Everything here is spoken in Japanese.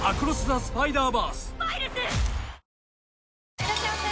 いらっしゃいませ！